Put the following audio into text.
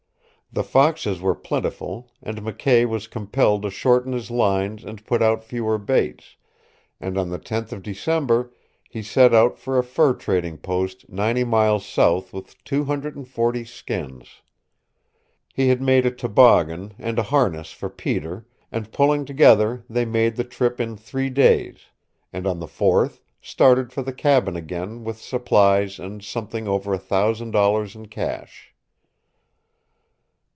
The foxes were plentiful, and McKay was compelled to shorten his lines and put out fewer baits, and on the tenth of December he set out for a fur trading post ninety miles south with two hundred and forty skins. He had made a toboggan, and a harness for Peter, and pulling together they made the trip in three days, and on the fourth started for the cabin again with supplies and something over a thousand dollars in cash.